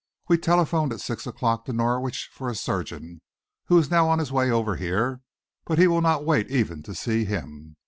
We telephoned at six o'clock to Norwich for a surgeon, who is now on his way over here, but he will not wait even to see him.